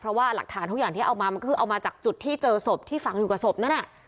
เพราะว่าหลักฐานทุกอย่างที่เอามามันคือเอามาจากจุดที่เจอศพที่ฝังอยู่กับศพนั่นน่ะ